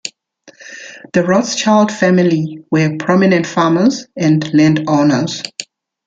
The Rothschild family were prominent farmers and landowners.